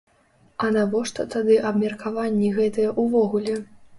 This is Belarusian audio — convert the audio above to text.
А навошта тады абмеркаванні гэтыя ўвогуле?